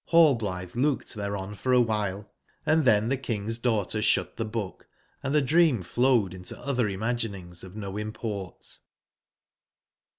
nallblitbe looked tbereon for a wbile & tben tbe King's daugb ter sbut tbe book, and tbe dream flowed into otber i magin ings of no import.